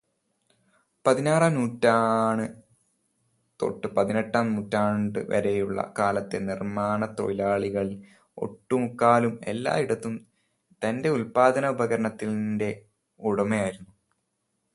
പതിനാറാം നൂറ്റാണ് തൊട്ട് പതിനെട്ടാം നൂറ്റാണ്ട് വരെയുള്ള കാലത്തെ നിർമ്മാണത്തൊഴിലാളി ഒട്ടുമുക്കാലും എല്ലായിടത്തും തന്റെ ഉല്പാദനോപകരണത്തിന്റെ ഉടമയായിരുന്നു.